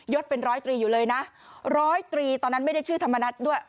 ดเป็นร้อยตรีอยู่เลยนะร้อยตรีตอนนั้นไม่ได้ชื่อธรรมนัฐด้วย